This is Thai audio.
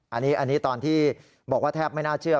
อันนี้ตอนที่บอกว่าแทบไม่น่าเชื่อ